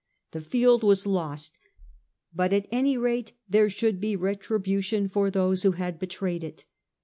The field was lost, but at any rate there should be retribu tion for those who had betrayed it.